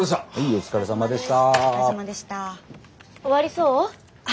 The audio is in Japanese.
お疲れさまでした。